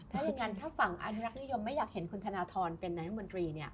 ถ้าอย่างนั้นถ้าฝั่งอนุรักษ์นิยมไม่อยากเห็นคุณธนทรเป็นนายรัฐมนตรี